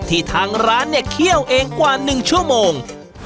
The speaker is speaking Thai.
ทางร้านเนี่ยเคี่ยวเองกว่า๑ชั่วโมง